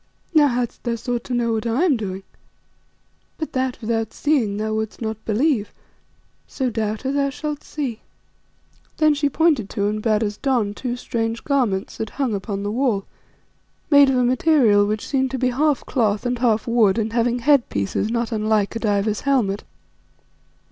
Now hadst thou sought to know what I am doing But that, without seeing, thou wouldst not believe, so, Doubter, thou shalt see." Then she pointed to and bade us don, two strange garments that hung upon the wall, made of a material which seemed to be half cloth and half wood and having headpieces not unlike a diver's helmet.